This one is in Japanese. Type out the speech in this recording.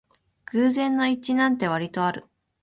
偶然の一致なんてわりとある